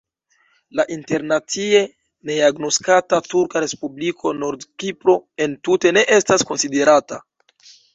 La internacie neagnoskata turka respubliko Nord-Kipro entute ne estas konsiderata.